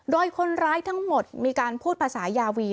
โดยคนร้ายทั้งหมดมีการพูดภาษายาวี